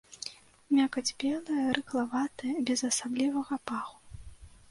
Мякаць белая, рыхлаватая, без асаблівага паху.